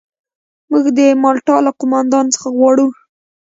موږ د مالټا له قوماندان څخه غواړو.